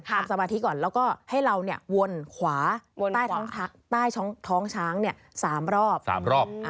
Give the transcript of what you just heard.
แล้วก็ให้เราวนขวาใต้ท้องช้าง๓รอบ